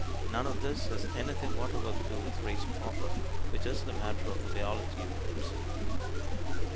None of this has anything whatever to do with race proper, which is a matter of the biology of groups.